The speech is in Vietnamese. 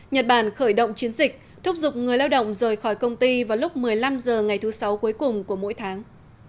nhật bản khởi động chiến dịch thúc giục người lao động rời khỏi công ty vào lúc một mươi năm h ngày thứ sáu cuối cùng của mỗi tháng